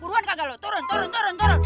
buruan kagak lu turun turun turun